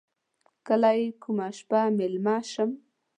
کله یې کومه شپه میلمه شم.